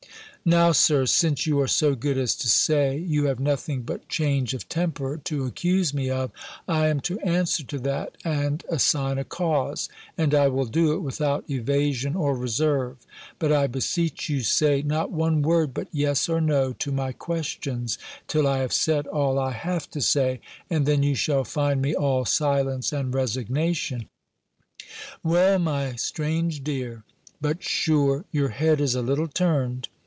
"Now, Sir, since you are so good as to say, you have nothing but change of temper to accuse me of, I am to answer to that, and assign a cause; and I will do it without evasion or reserve; but I beseech you say not one word but Yes or No, to my questions, till I have said all I have to say, and then you shall find me all silence and resignation." "Well, my strange dear! But sure your head is a little turned!